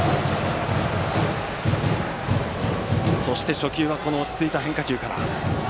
初球は落ち着いた変化球から。